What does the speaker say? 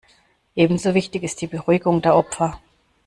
Ebenso wichtig ist die Beruhigung der Opfer.